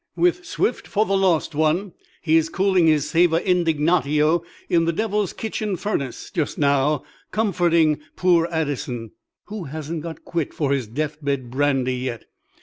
"With Swift for the lost one; he is cooling his 'sæva indignatio' in the Devil's kitchen furnace just now, comforting poor Addison, who hasn't got quit for his death bed brandy yet."